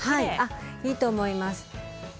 いいと思います。